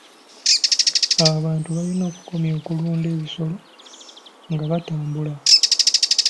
Abantu balina okukomya okulunda ebisolo nga batambula.